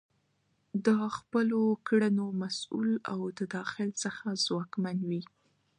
د خپلو کړنو مسؤل او د داخل څخه ځواکمن وي.